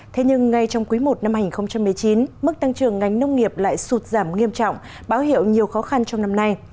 thế nhưng ngay trong quý i năm hai nghìn một mươi chín mức tăng trưởng ngành nông nghiệp lại sụt giảm nghiêm trọng báo hiệu nhiều khó khăn trong năm nay